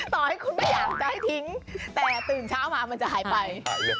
ต่อให้คุณไม่อยากจะให้ทิ้งแต่ตื่นเช้ามามันจะหายไป